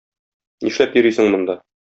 Нишләп йөрисең монда?